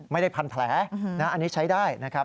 ไม่ได้พันแผลอันนี้ใช้ได้นะครับ